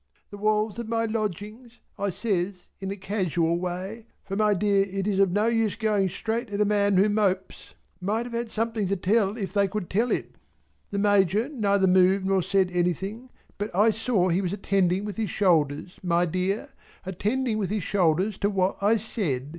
"The walls of my Lodgings" I says in a casual way for my dear it is of no use going straight at a man who mopes "might have something to tell if they could tell it." The Major neither moved nor said anything but I saw he was attending with his shoulders my dear attending with his shoulders to what I said.